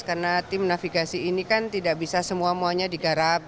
karena tim navigasi ini kan tidak bisa semuanya digarap